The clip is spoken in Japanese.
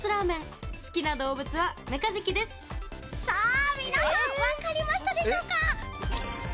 さあ皆さんわかりましたでしょうか？